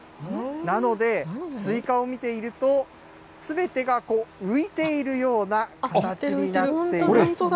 なので、スイカを見ていると、すべてが浮いているような形になっているんです。